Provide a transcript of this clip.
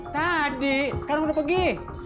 tadi sekarang udah pergi